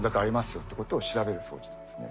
よってことを調べる装置なんですね。